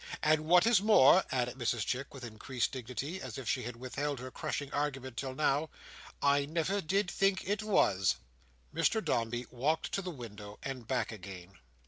And what is more," added Mrs Chick with increased dignity, as if she had withheld her crushing argument until now, "I never did think it was." Mr Dombey walked to the window and back again.